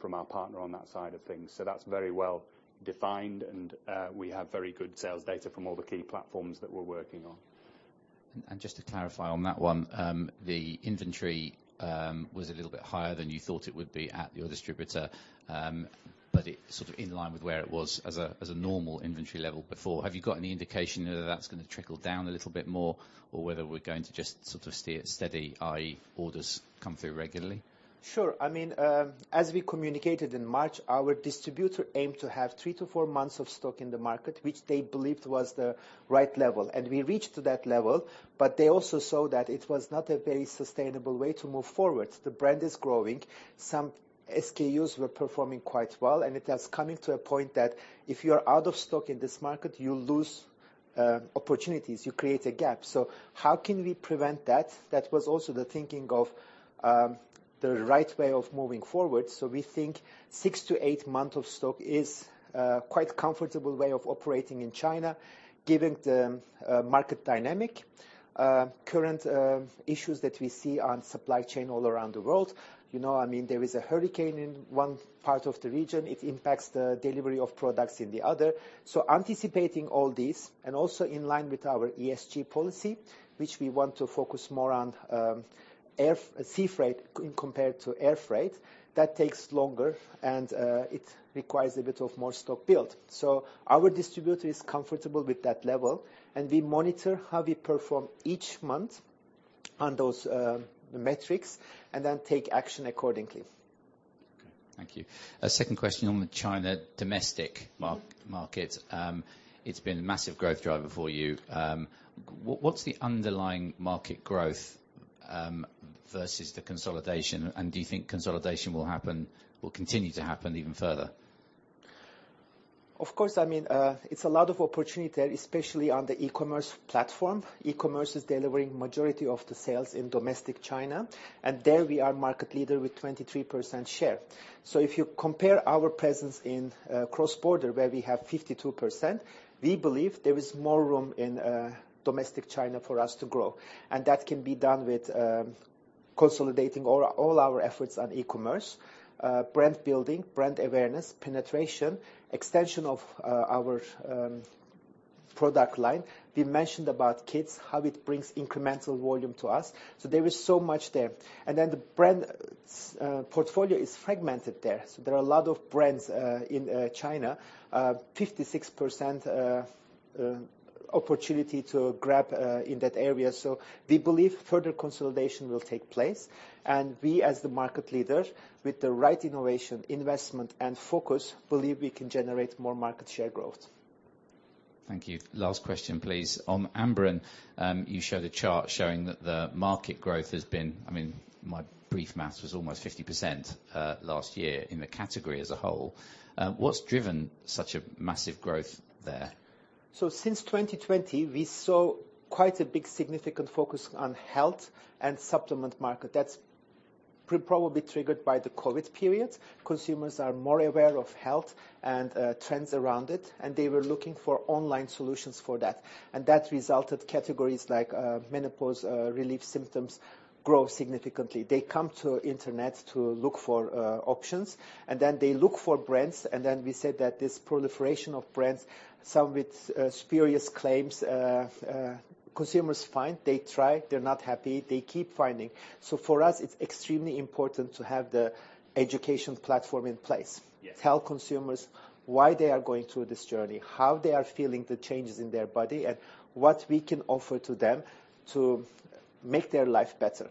[SPEAKER 1] from our partner on that side of things. So that's very well defined, and we have very good sales data from all the key platforms that we're working on.
[SPEAKER 5] Just to clarify on that one, the inventory was a little bit higher than you thought it would be at your distributor, but it's sort of in line with where it was as a normal inventory level before. Have you got any indication whether that's going to trickle down a little bit more or whether we're going to just sort of stay steady, i.e., orders come through regularly?
[SPEAKER 2] Sure. I mean, as we communicated in March, our distributor aimed to have three-four months of stock in the market, which they believed was the right level, and we reached to that level. But they also saw that it was not a very sustainable way to move forward. The brand is growing. Some SKUs were performing quite well, and it has coming to a point that if you are out of stock in this market, you lose opportunities, you create a gap. So how can we prevent that? That was also the thinking of the right way of moving forward. So we think six-eight months of stock is quite comfortable way of operating in China, given the market dynamic. Current issues that we see on supply chain all around the world, you know, I mean, there is a hurricane in one part of the region, it impacts the delivery of products in the other. So anticipating all this, and also in line with our ESG policy, which we want to focus more on, sea freight compared to air freight, that takes longer, and it requires a bit more stock build. So our distributor is comfortable with that level, and we monitor how we perform each month on those metrics, and then take action accordingly.
[SPEAKER 5] Okay, thank you. A second question on the China domestic market. It's been a massive growth driver for you. What's the underlying market growth vs the consolidation? And do you think consolidation will happen, will continue to happen even further?
[SPEAKER 2] Of course, I mean, it's a lot of opportunity there, especially on the e-commerce platform. E-commerce is delivering majority of the sales in domestic China, and there we are market leader with 23% share. So if you compare our presence in cross-border, where we have 52%, we believe there is more room in domestic China for us to grow, and that can be done with consolidating all our efforts on e-commerce. Brand building, brand awareness, penetration, extension of our product line. We mentioned about kids, how it brings incremental volume to us, so there is so much there. And then the brand portfolio is fragmented there. So there are a lot of brands in China, 56% opportunity to grab in that area. We believe further consolidation will take place, and we, as the market leader, with the right innovation, investment, and focus, believe we can generate more market share growth.
[SPEAKER 5] Thank you. Last question, please. On Amberen, you showed a chart showing that the market growth has been, I mean, my brief math was almost 50% last year in the category as a whole. What's driven such a massive growth there?
[SPEAKER 2] So since 2020, we saw quite a big significant focus on health and supplement market. That's probably triggered by the COVID period. Consumers are more aware of health and trends around it, and they were looking for online solutions for that. And that resulted categories like menopause relief symptoms grow significantly. They come to internet to look for options, and then they look for brands, and then we said that this proliferation of brands, some with spurious claims, consumers find, they try, they're not happy, they keep finding. So for us, it's extremely important to have the education platform in place.
[SPEAKER 5] Yes.
[SPEAKER 2] Tell consumers why they are going through this journey, how they are feeling the changes in their body, and what we can offer to them to make their life better.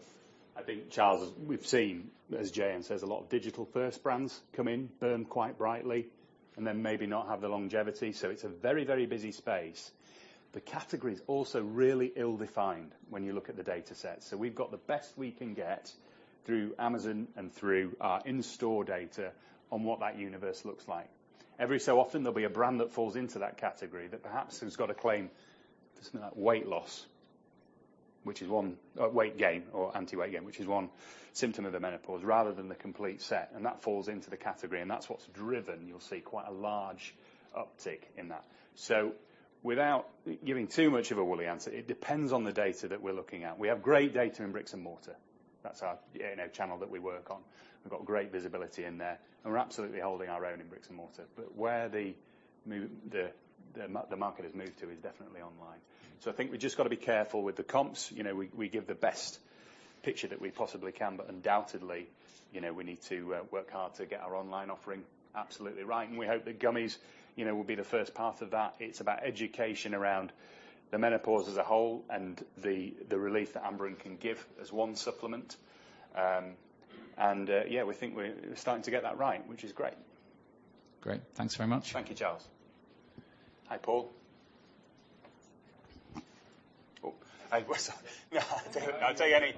[SPEAKER 1] I think, Charles, we've seen, as Jeyan says, a lot of digital-first brands come in, burn quite brightly, and then maybe not have the longevity. So it's a very, very busy space. The category is also really ill-defined when you look at the data set. So we've got the best we can get through Amazon and through our in-store data on what that universe looks like. Every so often, there'll be a brand that falls into that category that perhaps has got a claim to weight loss, which is one, weight gain or anti-weight gain, which is one symptom of the menopause, rather than the complete set, and that falls into the category, and that's what's driven. You'll see quite a large uptick in that. So without giving too much of a woolly answer, it depends on the data that we're looking at. We have great data in bricks and mortar. That's our, you know, channel that we work on. We've got great visibility in there, and we're absolutely holding our own in bricks and mortar. But where the market has moved to is definitely online. So I think we've just got to be careful with the comps. You know, we give the best picture that we possibly can, but undoubtedly, you know, we need to work hard to get our online offering absolutely right. And we hope that gummies, you know, will be the first part of that. It's about education around the menopause as a whole, and the relief that Amberen can give as one supplement. And yeah, we think we're starting to get that right, which is great.
[SPEAKER 5] Great. Thanks very much.
[SPEAKER 1] Thank you, Charles. Hi, Paul. Oh, I tell you, I'll take any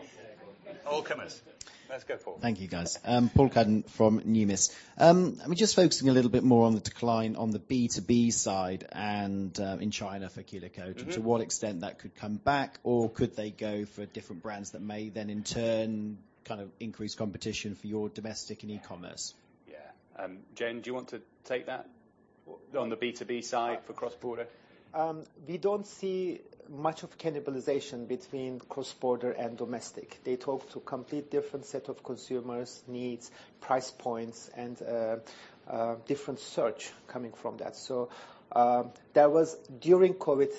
[SPEAKER 1] all comers. Let's go, Paul.
[SPEAKER 6] Thank you, guys. Paul Cuddon from Numis. I'm just focusing a little bit more on the decline on the B2B side and in China for Kelo-Cote.
[SPEAKER 1] Mm-hmm.
[SPEAKER 6] To what extent that could come back, or could they go for different brands that may then in turn, kind of increase competition for your domestic and e-commerce?
[SPEAKER 1] Yeah. Jeyan, do you want to take that on the B2B side for cross-border?
[SPEAKER 2] We don't see much of cannibalization between cross-border and domestic. They talk to complete different set of consumers, needs, price points, and different search coming from that. So, there was, during COVID,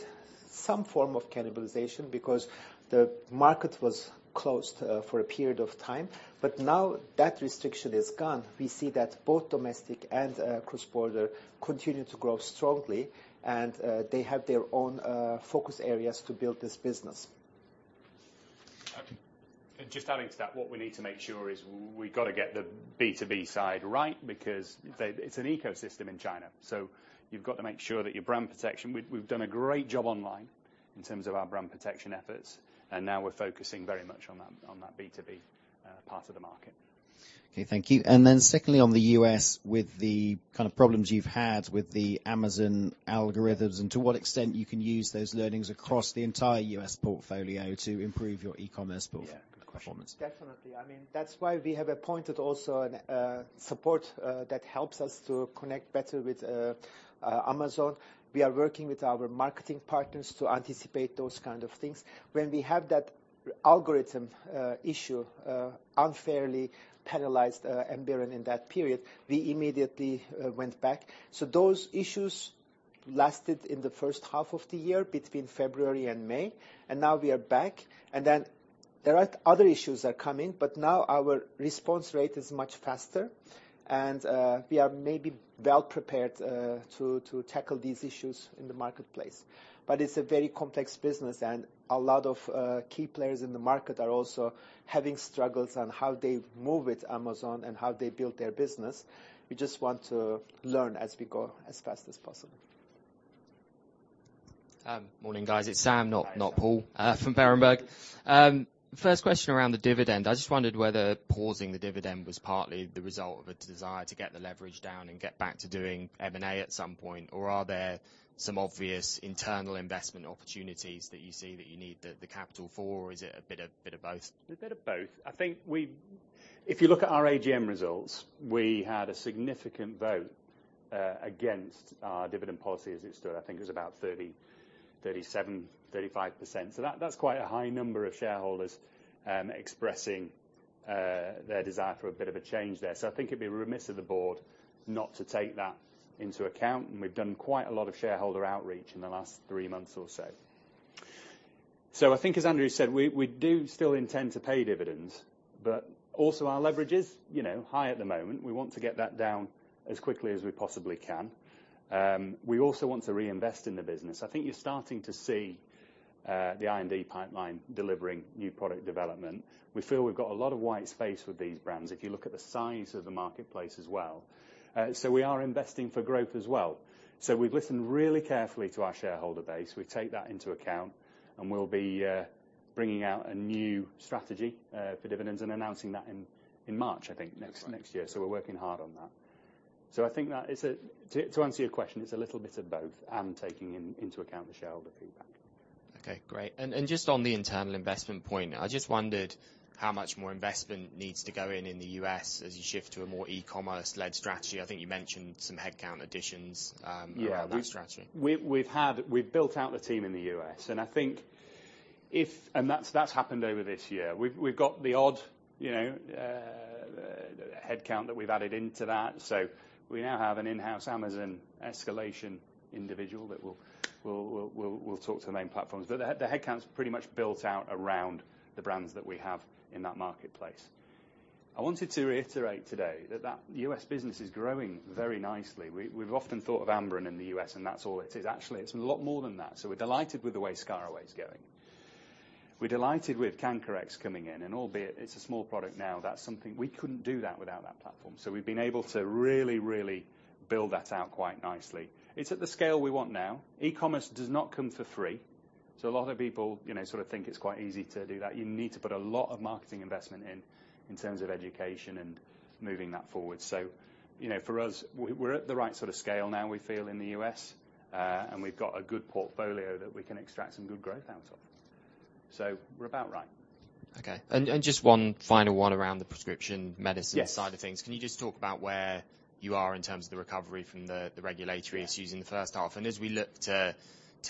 [SPEAKER 2] some form of cannibalization because the market was closed for a period of time. But now that restriction is gone, we see that both domestic and cross-border continue to grow strongly, and they have their own focus areas to build this business.
[SPEAKER 1] Okay. Just adding to that, what we need to make sure is we've got to get the B2B side right, because they, it's an ecosystem in China, so you've got to make sure that your brand protection. We've done a great job online in terms of our brand protection efforts, and now we're focusing very much on that, on that B2B part of the market.
[SPEAKER 6] Okay, thank you. Then secondly, on the U.S., with the kind of problems you've had with the Amazon algorithms, and to what extent you can use those learnings across the entire U.S. portfolio to improve your e-commerce performance?
[SPEAKER 2] Yeah. Good question. Definitely. I mean, that's why we have appointed also an support that helps us to connect better with Amazon. We are working with our marketing partners to anticipate those kind of things. When we had that algorithm issue unfairly penalized Amberen in that period, we immediately went back. So those issues lasted in the first half of the year, between February and May, and now we are back. And then there are other issues are coming, but now our response rate is much faster, and we are maybe well prepared to tackle these issues in the marketplace. But it's a very complex business, and a lot of key players in the market are also having struggles on how they move with Amazon and how they build their business. We just want to learn as we go, as fast as possible.
[SPEAKER 7] Morning, guys. It's Sam, not Paul, from Berenberg. First question around the dividend. I just wondered whether pausing the dividend was partly the result of a desire to get the leverage down and get back to doing M&A at some point, or are there some obvious internal investment opportunities that you see that you need the capital for, or is it a bit of both?
[SPEAKER 1] A bit of both. I think we. If you look at our AGM results, we had a significant vote against our dividend policy as it stood. I think it was about 30%, 37%, 35%. So that's quite a high number of shareholders expressing their desire for a bit of a change there. So I think it'd be remiss of the board not to take that into account, and we've done quite a lot of shareholder outreach in the last three months or so. So I think, as Andrew said, we do still intend to pay dividends, but also our leverage is, you know, high at the moment. We want to get that down as quickly as we possibly can. We also want to reinvest in the business. I think you're starting to see the R&D pipeline delivering new product development. We feel we've got a lot of white space with these brands, if you look at the size of the marketplace as well. So we are investing for growth as well. So we've listened really carefully to our shareholder base. We take that into account, and we'll be bringing out a new strategy for dividends and announcing that in March, I think, next year. So we're working hard on that. So I think that is a. To answer your question, it's a little bit of both and taking into account the shareholder feedback.
[SPEAKER 7] Okay, great. Just on the internal investment point, I just wondered how much more investment needs to go in the U.S. as you shift to a more e-commerce-led strategy. I think you mentioned some headcount additions around that strategy.
[SPEAKER 1] Yeah, we've had. We've built out the team in the U.S., and I think if. And that's happened over this year. We've got the odd, you know, headcount that we've added into that. So we now have an in-house Amazon escalation individual that will talk to the main platforms. But the headcount's pretty much built out around the brands that we have in that marketplace. I wanted to reiterate today that that U.S. business is growing very nicely. We've often thought of Amberen in the U.S., and that's all it is. Actually, it's a lot more than that. So we're delighted with the way ScarAway is going. We're delighted with Canker-X coming in, and albeit it's a small product now, that's something. We couldn't do that without that platform. So we've been able to really, really build that out quite nicely. It's at the scale we want now. E-commerce does not come for free, so a lot of people, you know, sort of think it's quite easy to do that. You need to put a lot of marketing investment in, in terms of education and moving that forward. So, you know, for us, we're at the right sort of scale now, we feel, in the U.S., and we've got a good portfolio that we can extract some good growth out of. So we're about right.
[SPEAKER 7] Okay. And just one final one around the prescription medicine.
[SPEAKER 1] Yes.
[SPEAKER 7] Side of things. Can you just talk about where you are in terms of the recovery from the regulatory issues in the first half?
[SPEAKER 1] Yeah.
[SPEAKER 7] As we look to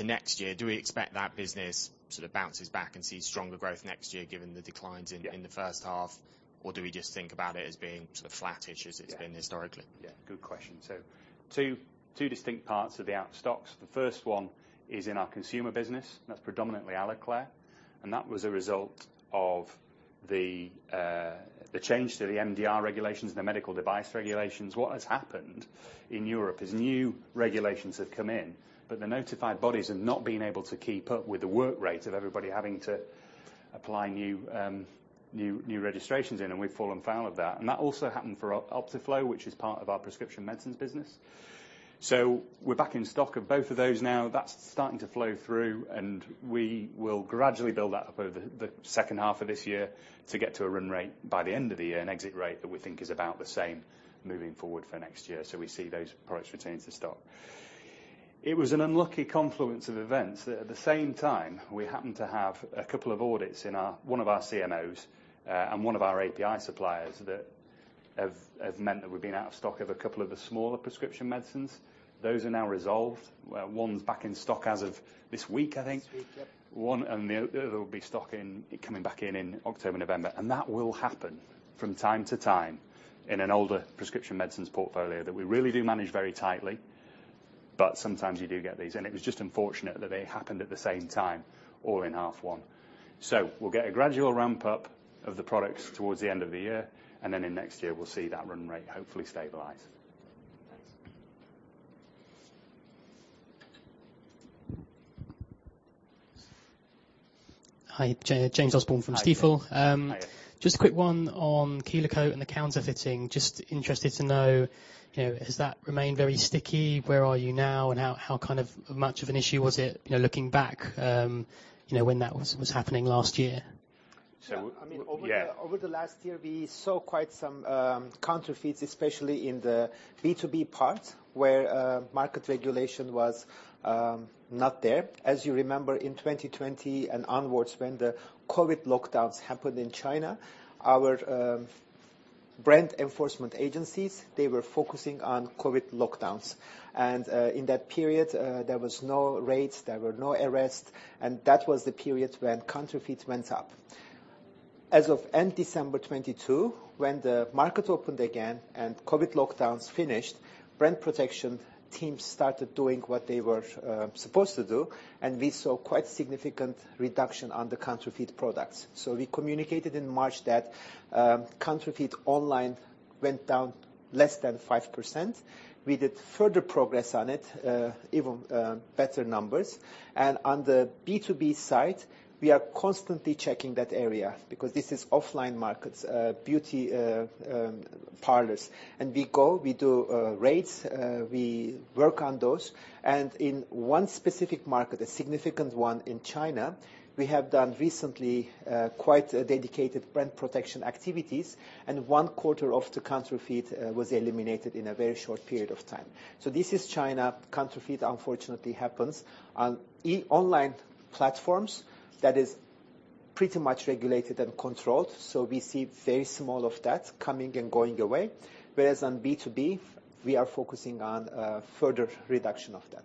[SPEAKER 7] next year, do we expect that business sort of bounces back and sees stronger growth next year, given the declines in.
[SPEAKER 1] Yeah.
[SPEAKER 7] In the first half? Or do we just think about it as being sort of flattish as it's.
[SPEAKER 1] Yeah.
[SPEAKER 7] Been historically?
[SPEAKER 1] Yeah. Good question. So two distinct parts of the out of stocks. The first one is in our consumer business, that's predominantly Aloclair, and that was a result of the change to the MDR regulations, the medical device regulations. What has happened in Europe is new regulations have come in, but the notified bodies have not been able to keep up with the work rate of everybody having to apply new registrations, and we've fallen foul of that. And that also happened for Optiflo, which is part of our prescription medicines business. So we're back in stock of both of those now. That's starting to flow through, and we will gradually build that up over the second half of this year to get to a run rate by the end of the year, an exit rate that we think is about the same moving forward for next year. So we see those products returning to stock. It was an unlucky confluence of events that at the same time, we happened to have a couple of audits in our one of our CMOs, and one of our API suppliers that have meant that we've been out of stock of a couple of the smaller prescription medicines. Those are now resolved. One's back in stock as of this week, I think.
[SPEAKER 2] This week, yep.
[SPEAKER 1] One, and the other, there will be stock coming back in in October, November. And that will happen from time to time in an older prescription medicines portfolio that we really do manage very tightly, but sometimes you do get these. And it was just unfortunate that they happened at the same time, all in half one. So we'll get a gradual ramp-up of the products towards the end of the year, and then in next year, we'll see that run rate hopefully stabilize.
[SPEAKER 7] Thanks.
[SPEAKER 8] Hi, James Orsborne from Stifel.
[SPEAKER 1] Hi.
[SPEAKER 8] Just a quick one on Kelo-Cote and the counterfeiting. Just interested to know, you know, has that remained very sticky? Where are you now, and how, how kind of much of an issue was it, you know, looking back, you know, when that was, was happening last year?
[SPEAKER 2] So, I mean, over the.
[SPEAKER 3] Yeah.
[SPEAKER 2] Over the last year, we saw quite some counterfeits, especially in the B2B part, where market regulation was not there. As you remember, in 2020 and onwards, when the COVID lockdowns happened in China, our brand enforcement agencies, they were focusing on COVID lockdowns. In that period, there was no raids, there were no arrests, and that was the period when counterfeits went up. As of end December 2022, when the market opened again and COVID lockdowns finished, brand protection teams started doing what they were supposed to do, and we saw quite significant reduction on the counterfeit products. So we communicated in March that counterfeit online went down less than 5%. We did further progress on it, even better numbers. On the B2B side, we are constantly checking that area, because this is offline markets, beauty parlors. We go, we do raids, we work on those. In one specific market, a significant one in China, we have done recently quite a dedicated brand protection activities, and one quarter of the counterfeit was eliminated in a very short period of time. This is China. Counterfeit, unfortunately, happens. On online platforms, that is pretty much regulated and controlled, so we see very small of that coming and going away. Whereas on B2B, we are focusing on further reduction of that.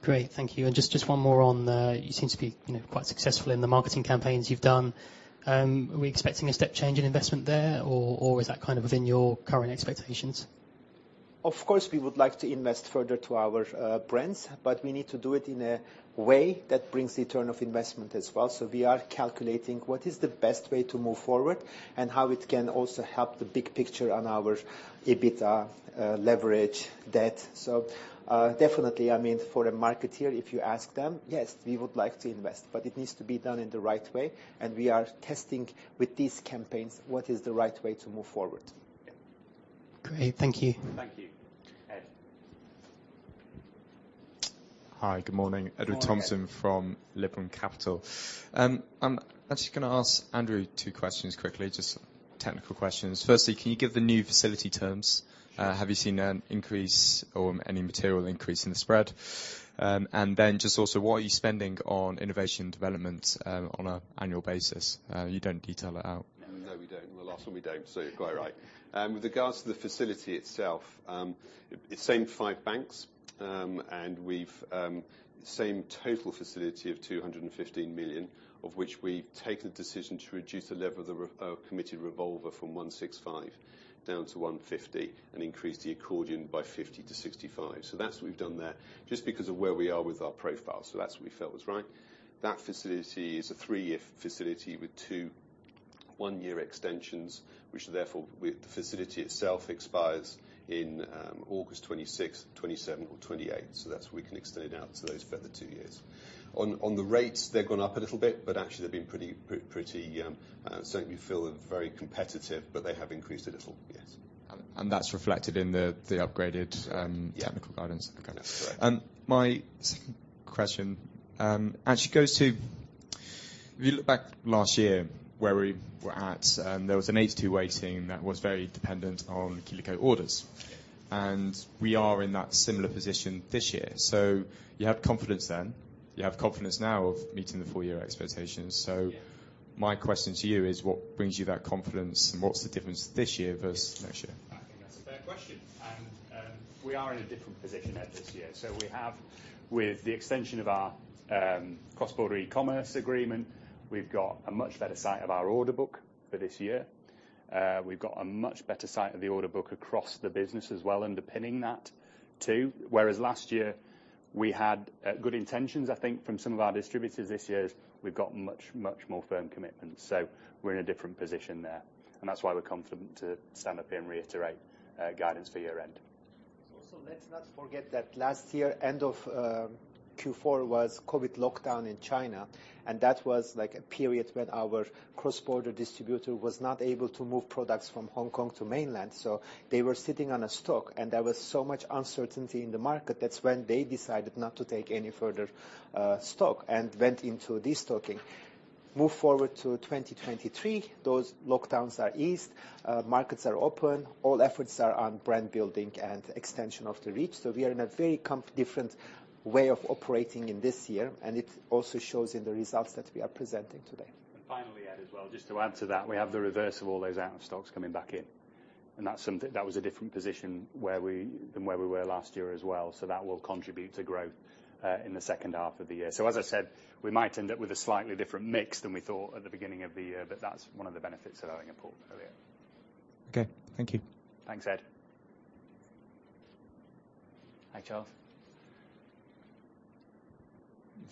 [SPEAKER 8] Great, thank you. And just, just one more on the. You seem to be, you know, quite successful in the marketing campaigns you've done. Are we expecting a step change in investment there, or, or is that kind of within your current expectations?
[SPEAKER 2] Of course, we would like to invest further to our brands, but we need to do it in a way that brings return of investment as well. So we are calculating what is the best way to move forward, and how it can also help the big picture on our EBITDA, leverage, debt. So, definitely, I mean, for a marketeer, if you ask them, yes, we would like to invest, but it needs to be done in the right way, and we are testing with these campaigns what is the right way to move forward.
[SPEAKER 8] Great, thank you.
[SPEAKER 3] Thank you. Ed?
[SPEAKER 9] Hi, good morning.
[SPEAKER 3] Good morning.
[SPEAKER 9] Edward Thomason from Liberum Capital. I'm actually gonna ask Andrew two questions quickly, just technical questions. Firstly, can you give the new facility terms? Have you seen an increase or any material increase in the spread? And then just also, what are you spending on innovation development, on a annual basis? You don't detail it out.
[SPEAKER 3] No, we don't. We'll ask when we don't, so you're quite right. With regards to the facility itself, it's same five banks, and we've same total facility of 215 million, of which we've taken the decision to reduce the level of the committed revolver from 165 million down to 150 million, and increase the accordion by 50 million-65 million. So that's what we've done there, just because of where we are with our profile. So that's what we felt was right. That facility is a three year facility with two, one year extensions, which therefore, with the facility itself, expires in August 2026, 2027 or 2028. So that's, we can extend it out to those further two years. On the rates, they've gone up a little bit, but actually they've been pretty certainly feel very competitive, but they have increased a little, yes.
[SPEAKER 9] That's reflected in the upgraded,
[SPEAKER 3] Yeah.
[SPEAKER 9] Technical guidance?
[SPEAKER 3] That's correct.
[SPEAKER 9] My second question, actually goes to, if you look back last year where we were at, there was an H2 weighting that was very dependent on Kelo-Cote orders, and we are in that similar position this year. You had confidence then. You have confidence now of meeting the full year expectations.
[SPEAKER 3] Yeah.
[SPEAKER 9] My question to you is, what brings you that confidence, and what's the difference this year vs last year?
[SPEAKER 3] I think that's a fair question. We are in a different position, Ed, this year. So we have, with the extension of our cross-border e-commerce agreement, we've got a much better sight of our order book for this year. We've got a much better sight of the order book across the business as well, underpinning that, too. Whereas last year, we had good intentions, I think, from some of our distributors. This year, we've got much, much more firm commitments. So we're in a different position there, and that's why we're confident to stand up here and reiterate guidance for year-end.
[SPEAKER 2] Also, let's not forget that last year, end of Q4, was COVID lockdown in China, and that was, like, a period when our cross-border distributor was not able to move products from Hong Kong to mainland. So they were sitting on a stock, and there was so much uncertainty in the market. That's when they decided not to take any further stock and went into destocking. Move forward to 2023, those lockdowns are eased, markets are open, all efforts are on brand building and extension of the reach. So we are in a very different way of operating in this year, and it also shows in the results that we are presenting today.
[SPEAKER 3] And finally, Ed, as well, just to add to that, we have the reverse of all those out-of-stocks coming back in, and that's something that was a different position where we were than where we were last year as well. So that will contribute to growth in the second half of the year. So as I said, we might end up with a slightly different mix than we thought at the beginning of the year, but that's one of the benefits of having a portfolio.
[SPEAKER 9] Okay, thank you.
[SPEAKER 3] Thanks, Ed. Hi, Charles.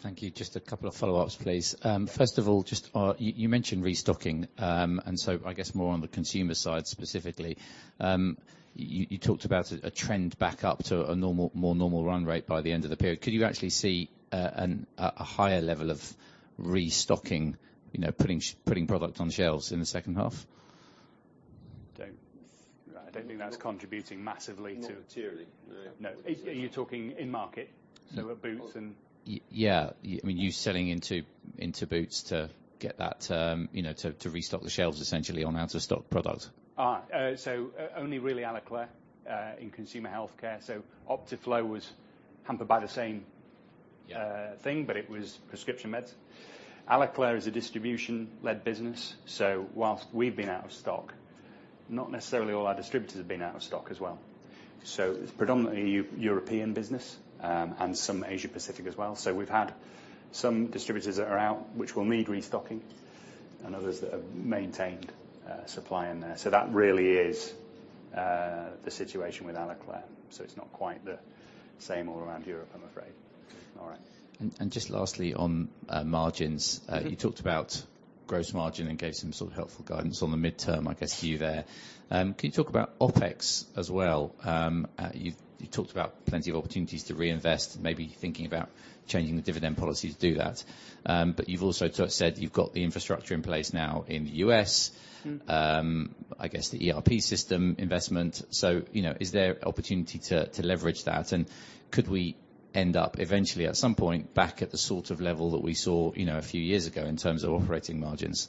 [SPEAKER 5] Thank you. Just a couple of follow-ups, please. First of all, just, you mentioned restocking, and so I guess more on the consumer side, specifically. You talked about a trend back up to a normal, more normal run rate by the end of the period. Could you actually see a higher level of restocking, you know, putting product on shelves in the second half?
[SPEAKER 1] I don't think that's contributing massively to-
[SPEAKER 3] Materially.
[SPEAKER 1] No. Are you talking in market, so at Boots and.
[SPEAKER 5] Yeah. I mean, you selling into Boots to get that, you know, to restock the shelves essentially on out-of-stock product.
[SPEAKER 1] So, only really Aloclair in consumer healthcare. So Optiflo was hampered by the same.
[SPEAKER 5] Yeah.
[SPEAKER 1] Thing, but it was prescription meds. Aloclair is a distribution-led business, so whilst we've been out of stock, not necessarily all our distributors have been out of stock as well. So it's predominantly European business, and some Asia Pacific as well. So we've had some distributors that are out, which will need restocking, and others that have maintained, supply in there. So that really is, the situation with Aloclair. So it's not quite the same all around Europe, I'm afraid. All right.
[SPEAKER 5] And just lastly, on margins.
[SPEAKER 1] Mm-hmm.
[SPEAKER 5] You talked about gross margin and gave some sort of helpful guidance on the midterm, I guess, to you there. Can you talk about OpEx as well? You talked about plenty of opportunities to reinvest, maybe thinking about changing the dividend policy to do that. But you've also sort of said you've got the infrastructure in place now in the U.S.
[SPEAKER 1] Mm-hmm.
[SPEAKER 5] I guess, the ERP system investment. So, you know, is there opportunity to leverage that? And could we end up eventually, at some point, back at the sort of level that we saw, you know, a few years ago in terms of operating margins?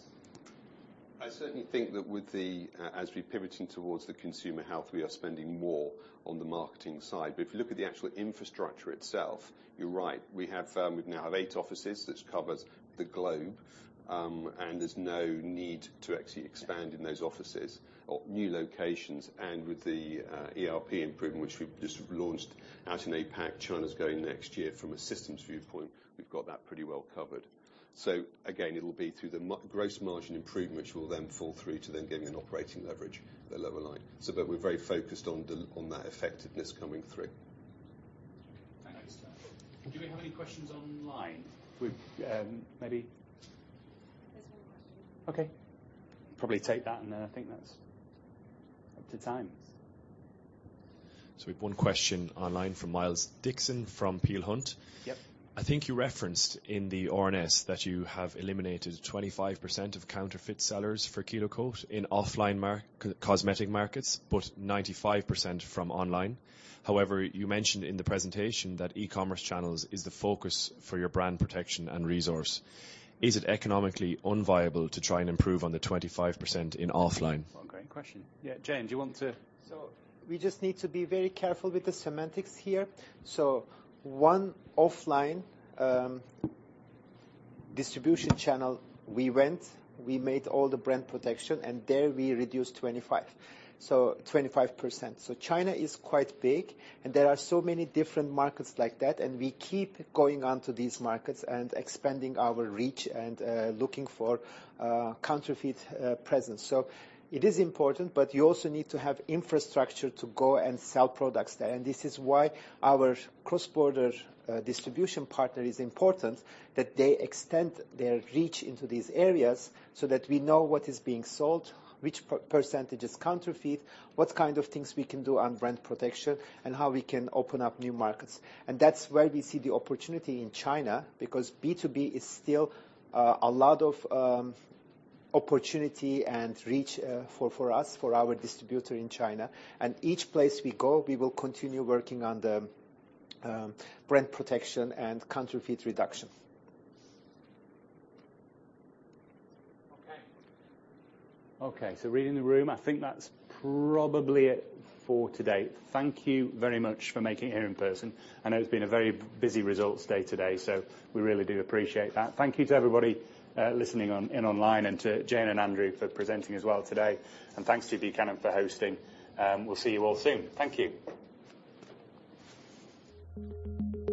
[SPEAKER 3] I certainly think that with the, As we're pivoting towards the consumer health, we are spending more on the marketing side. But if you look at the actual infrastructure itself, you're right. We have, we now have eight offices, which covers the globe. And there's no need to actually expand in those offices or new locations. And with the, ERP improvement, which we've just launched out in APAC, China's going next year. From a systems viewpoint, we've got that pretty well covered. So again, it'll be through the gross margin improvement, which will then fall through to then giving an operating leverage at the lower line. So but we're very focused on the, on that effectiveness coming through.
[SPEAKER 1] Okay. Thanks. Do we have any questions online? We've, maybe.
[SPEAKER 2] There's one question.
[SPEAKER 1] Okay. Probably take that, and then I think that's up to time.
[SPEAKER 10] We've one question online from Miles Dixon, from Peel Hunt.
[SPEAKER 1] Yep.
[SPEAKER 11] I think you referenced in the RNS that you have eliminated 25% of counterfeit sellers for Kelo-Cote in offline cosmetic markets, but 95% from online. However, you mentioned in the presentation that e-commerce channels is the focus for your brand protection and resource. Is it economically unviable to try and improve on the 25% in offline?
[SPEAKER 1] One great question. Yeah, Can, do you want to.
[SPEAKER 2] So we just need to be very careful with the semantics here. So one offline distribution channel, we went, we made all the brand protection, and there we reduced 25, so 25%. So China is quite big, and there are so many different markets like that, and we keep going on to these markets and expanding our reach and looking for counterfeit presence. So it is important, but you also need to have infrastructure to go and sell products there. And this is why our cross-border distribution partner is important, that they extend their reach into these areas so that we know what is being sold, which percentage is counterfeit, what kind of things we can do on brand protection, and how we can open up new markets. That's where we see the opportunity in China, because B2B is still a lot of opportunity and reach for us, for our distributor in China. Each place we go, we will continue working on the brand protection and counterfeit reduction.
[SPEAKER 1] Okay. Okay, so reading the room, I think that's probably it for today. Thank you very much for making it here in person. I know it's been a very busy results day today, so we really do appreciate that. Thank you to everybody listening on, and online, and to Jeyan and Andrew for presenting as well today. And thanks to Buchanan for hosting. We'll see you all soon. Thank you.